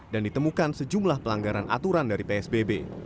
dan ditemukan sejumlah pelanggaran aturan dari psbb